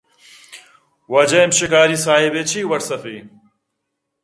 واجہ ایم شکاری ساهب ء چہ وٹسپ ء